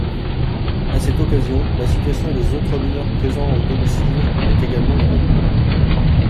À cette occasion, la situation des autres mineurs présents au domicile est également évaluée.